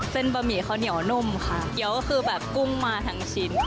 บะหมี่ข้าวเหนียวนุ่มค่ะเกี้ยวก็คือแบบกุ้งมาทั้งชิ้น